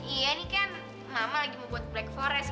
iya nih kan mama lagi mau buat black forest